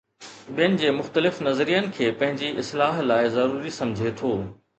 ٻين جي مختلف نظرين کي پنهنجي اصلاح لاءِ ضروري سمجهي ٿو.